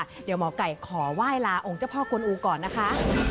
เดี๋ยวหมอไก่ขอไหว้ลาองค์เจ้าพ่อกวนอูก่อนนะคะ